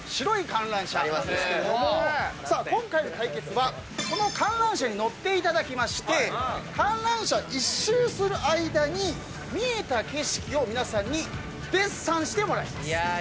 さあ今回の対決はこの観覧車に乗っていただきまして観覧車１周する間に見えた景色を皆さんにデッサンしてもらいます。